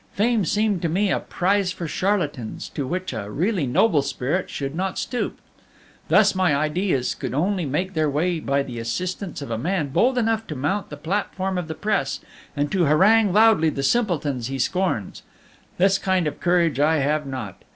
Fame seemed to me a prize for charlatans, to which a really noble spirit should not stoop. Thus, my ideas could only make their way by the assistance of a man bold enough to mount the platform of the press, and to harangue loudly the simpletons he scorns. This kind of courage I have not.